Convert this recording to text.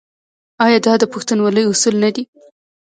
آیا دا د پښتونولۍ اصول نه دي؟